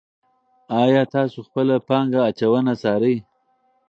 آیا تاسو خپله پانګه اچونه څارئ.